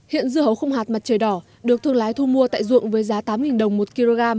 hiện dưa hấu không hạt mặt trời đỏ được thương lái thu mua tại ruộng với giá tám đồng một kg